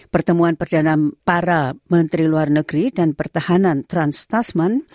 pertemuan perdana para menteri luar negeri dan pertahanan trans stasman